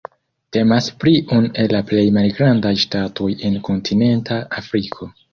Temas pri unu el la plej malgrandaj ŝtatoj en kontinenta Afriko.